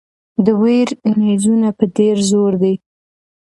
د ویر نیزونه په ډېر زور دي.